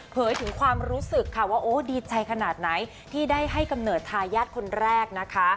ถึงความรู้สึกค่ะว่าโอ้ดีใจขนาดไหนที่ได้ให้กำเนิดทายาทคนแรกนะคะ